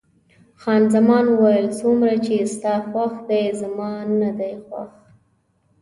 خان زمان وویل: څومره چې ستا خوښ دی، زما نه دی خوښ.